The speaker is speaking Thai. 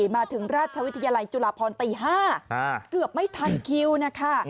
มาถึงราชวิทยาลัยจุฬาพรตี๕เกือบไม่ทันคิวนะคะ